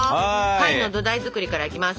パイの土台作りからいきます。